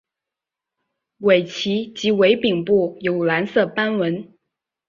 尾鳍及尾柄部有蓝色斑纹。